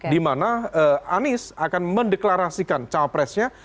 dimana anies akan mendeklarasikan cawapresnya